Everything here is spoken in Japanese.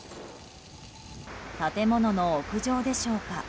建物の屋上でしょうか。